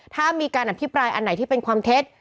ถ้ามีการอภิปรายอันไหนที่เป็นความเท็จ